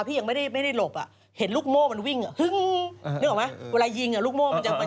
เสียงลูกโม่มิวิ่งนึกออกมั้ย